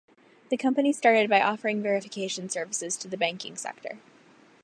The company started by offering verification services to the banking sector.